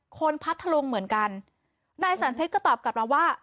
พัทธลุงเหมือนกันนายสันเพชรก็ตอบกลับมาว่า